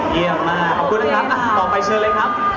เยี่ยมมากขอบคุณนะครับ